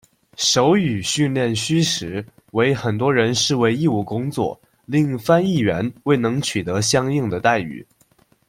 手语训练需时，惟很多人视为义务工作，令翻译员未能取得相应的待遇。